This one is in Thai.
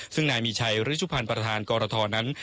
ซึ่งนายมีชัยริชุพันธ์ประธานกรทนั้น